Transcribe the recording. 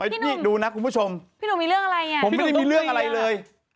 พี่หนุ่มมีเรื่องอะไรอย่างนี้พี่หนุ่มต้องเคลียร์ผมไม่ได้มีเรื่องอะไรเลย